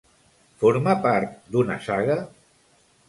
Forma part d'una saga?